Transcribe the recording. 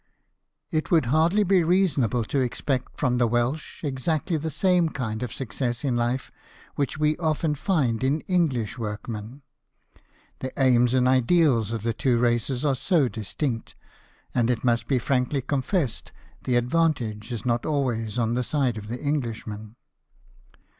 It would hardly be reasonable to expect from the Welsh exactly the same kind of success in life which we often find in English workmen ; the aims and ideals of the two races are so distinct, and it must be frankly confessed the advantage is not always on the side of the Englishman.